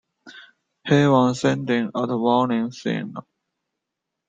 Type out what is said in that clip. He was sending out warning signs.